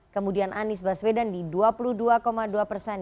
kemudian anies baswedan di dua puluh dua dua persen